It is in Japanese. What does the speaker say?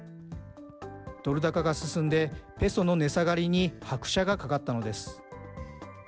ドル高が進んで、ペソの値下がりに拍車がかかったのです。